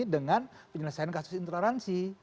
dengan penyelesaian kasus intoleransi